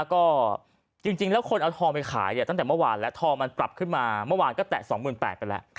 ก็จริงแล้วคนเอาทองไปขายเนี่ยตั้งแต่เมื่อวานแล้วทองมันปรับขึ้นมาเมื่อวานก็แตะ๒๘๐๐ไปแล้ว